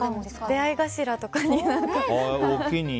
出合い頭とかに。